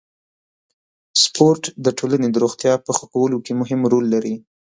سپورت د ټولنې د روغتیا په ښه کولو کې مهم رول لري.